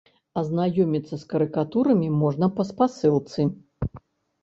Азнаёміцца з карыкатурамі можна па спасылцы.